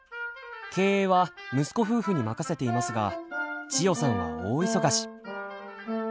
経営は息子夫婦に任せていますが千代さんは大忙し。